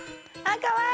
かわいい！